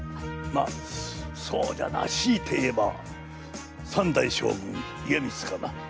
まあそうだなしいて言えば三代将軍家光かな。